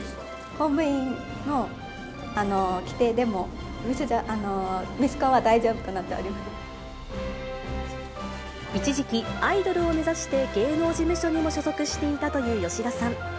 公務員の規定でも、ミスコン一時期、アイドルを目指して芸能事務所にも所属していたという吉田さん。